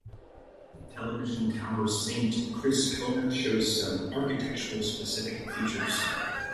The television tower Saint Chrischona shows some architecturally specific features.